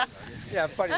やっぱりな。